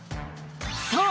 そう！